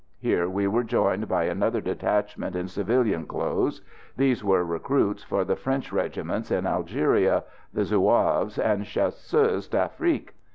Here we were joined by another detachment in civilian clothes; these were recruits for the French regiments in Algeria, the "Zouaves" and "Chasseurs d'Afrique."